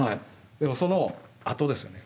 でもそのあとですよね。